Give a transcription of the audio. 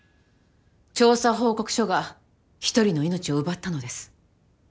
調査報告書が一人の命を奪ったのです。